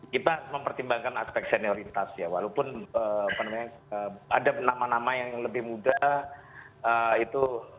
kita mempertimbangkan aspek senioritas ya walaupun ada nama nama yang lebih muda itu